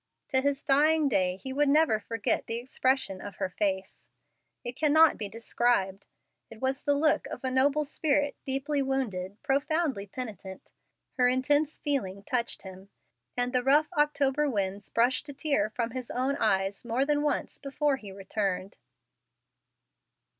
To his dying day he would never forget the expression of her face. It cannot be described. It was the look of a noble spirit, deeply wounded, profoundly penitent. Her intense feeling touched him, and the rough October winds brushed a tear from his own eyes more than once before he returned.